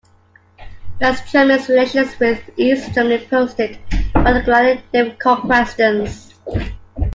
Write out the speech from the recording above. West Germany's relations with East Germany posed particularly difficult questions.